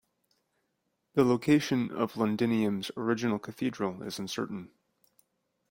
The location of Londinium's original cathedral is uncertain.